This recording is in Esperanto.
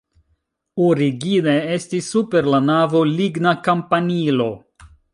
Origine estis super la navo ligna kampanilo.